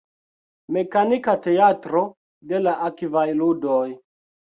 Mekanika teatro de la Akvaj Ludoj.